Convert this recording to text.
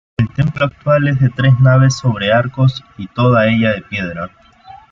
El templo actual es de tres naves sobre arcos y toda ella de piedra.